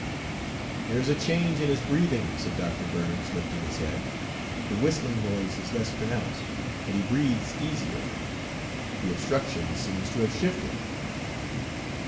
"There's a change in his breathing," said Dr. Burns, lifting his head. "The whistling noise is less pronounced, and he breathes easier. The obstruction seems to have shifted."